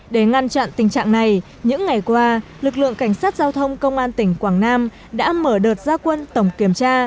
để ngăn chặn tình trạng này những ngày qua lực lượng cảnh sát giao thông công an tỉnh quảng nam đã mở đợt gia quân tổng kiểm tra